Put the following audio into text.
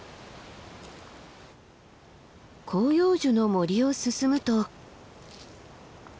広葉樹の森を進むと。